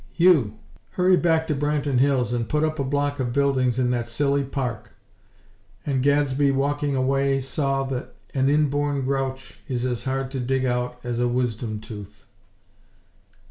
You!! Hurry back to Branton Hills and put up a block of buildings in that silly park!" and Gadsby, walking away, saw that an inborn grouch is as hard to dig out as a wisdom tooth.